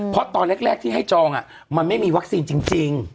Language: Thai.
เพราะตอนแรกที่ให้จองมันไม่มีวัคซีนจริง